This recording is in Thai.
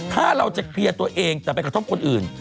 ถ้าเราจะเคลียร์ตัวเองแต่ไปกระทบคนอื่น